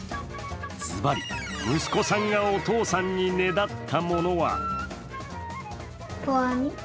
ずばり、息子さんがお父さんにねだったものは？